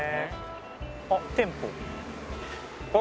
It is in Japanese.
あっ「店舗」。